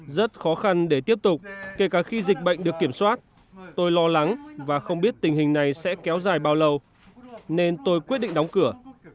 rất khó khăn để tiếp tục kể cả khi dịch bệnh được kiểm soát tôi lo lắng và không biết tình hình này sẽ kéo dài bao lâu nên tôi quyết định đóng cửa